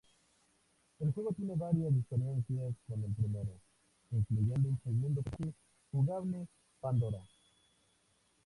El juego tiene varias diferencias con el primero, incluyendo un segundo personaje jugable, Pandora.